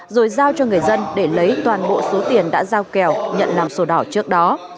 rồi giao cho người dân để lấy toàn bộ số tiền đã giao kèo nhận làm sổ đỏ trước đó